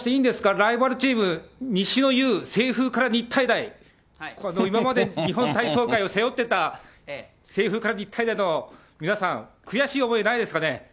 ライバルチーム、西の雄、清風から日体大、今まで、日本体操界を背負ってた清風から日体大の皆さん、悔しい思いはないですかね？